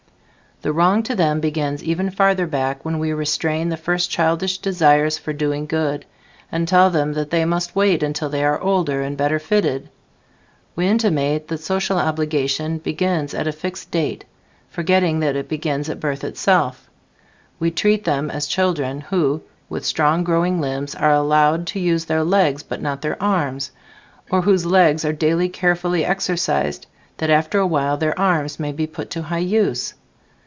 The wrong to them begins even farther back, when we restrain the first childish desires for "doing good", and tell them that they must wait until they are older and better fitted. We intimate that social obligation begins at a fixed date, forgetting that it begins at birth itself. We treat them as children who, with strong growing limbs, are allowed to use their legs but not their arms, or whose legs are daily carefully exercised that after a while their arms may be put to high use.